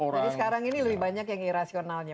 jadi sekarang ini lebih banyak yang irasionalnya